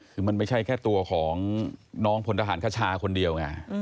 คือมันไม่ใช่แค่ตัวของน้องพลทหารคชาคนเดียวไง